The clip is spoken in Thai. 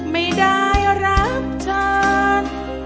ไม่ได้รักฉัน